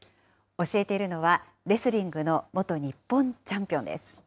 教えているのは、レスリングの元日本チャンピオンです。